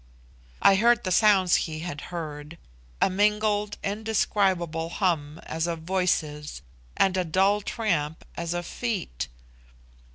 I heard the sounds he had heard a mingled indescribable hum as of voices and a dull tramp as of feet.